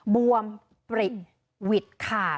บวมปริกหวิดขาด